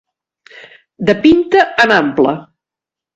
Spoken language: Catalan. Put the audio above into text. De pinte en ample.